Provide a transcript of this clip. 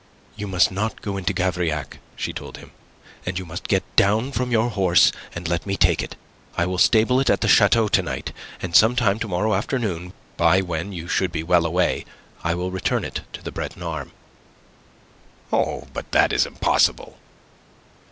"You must not go into Gavrillac," she told him, "and you must get down from your horse, and let me take it. I will stable it at the chateau to night. And sometime to morrow afternoon, by when you should be well away, I will return it to the Breton arme." "Oh, but that is impossible."